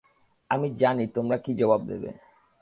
আমি জানি, তোমরা কি জবাব দেবে।